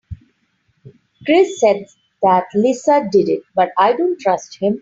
Chris said that Lisa did it but I dont trust him.